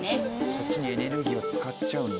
そっちにエネルギーを使っちゃうんだ。